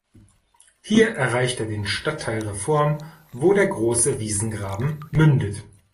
Hier erreicht er den Stadtteil Reform, wo der Große Wiesengraben mündet.